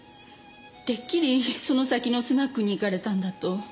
てっきりその先のスナックに行かれたんだと。